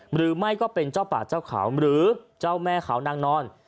หรือไม่ก็เป็นเจ้าป่าเจ้าเขาหรือเจ้าแม่ขาวนางนอน